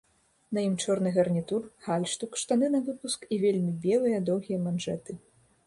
На ім чорны гарнітур, гальштук, штаны навыпуск і вельмі белыя доўгія манжэты.